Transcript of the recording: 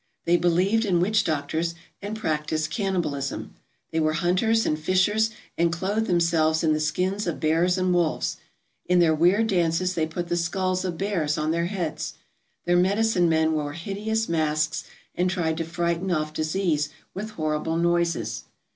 They believed in witch doctors and practised cannibalism. They were hunters and fishers and clothed themselves in the skins of bears and wolves. In their weird dances they put the skulls of bears on their heads. Their medicine men wore hideous masks and tried to frighten off disease with horrible noises.